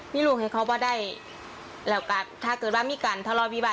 มีลูกให้เขาได้ถ้าเกิดว่ามีการทะเลวิบาท